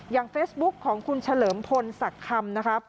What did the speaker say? อย่างเฟสบุ๊คของคุณเฉลิมพลสักคำนะครับ